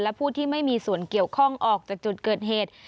และผู้ที่ไม่มีส่วนเกี่ยวข้องออกจากจุดเกิดเหตุ